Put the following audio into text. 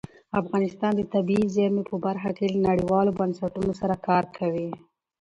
افغانستان د طبیعي زیرمې په برخه کې نړیوالو بنسټونو سره کار کوي.